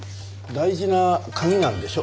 大事な鍵なんでしょ？